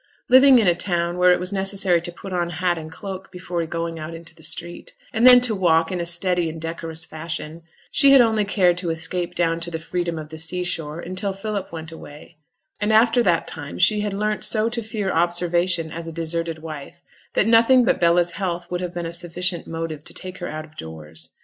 Living in a town where it was necessary to put on hat and cloak before going out into the street, and then to walk in a steady and decorous fashion, she had only cared to escape down to the freedom of the sea shore until Philip went away; and after that time she had learnt so to fear observation as a deserted wife, that nothing but Bella's health would have been a sufficient motive to take her out of doors.